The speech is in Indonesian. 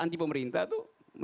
anti pemerintah itu